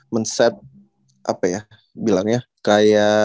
men set apa ya bilangnya kayak